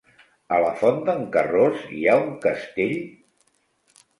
A la Font d'en Carròs hi ha un castell?